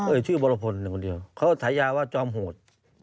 ชื่อวรพลคนเดียวเขาฉายาว่าจอมโหด